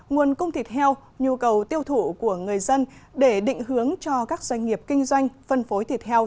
nguồn cung thịt heo nhu cầu tiêu thụ của người dân để định hướng cho các doanh nghiệp kinh doanh phân phối thịt heo